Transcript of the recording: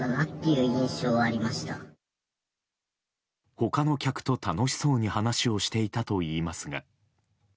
他の客と楽しそうに話をしていたといいますが。